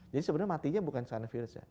jadi sebenarnya matinya bukan karena virusnya